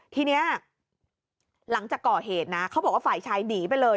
ทีนี้หลังจากก่อเหตุนะเขาบอกว่าฝ่ายชายหนีไปเลย